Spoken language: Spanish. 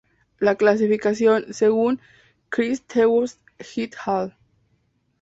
La clasificación, según Christenhusz et al.